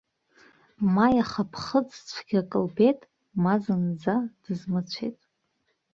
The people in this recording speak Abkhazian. Ма иаха ԥхыӡ цәгьак лбеит, ма зынӡа дызмыцәеит.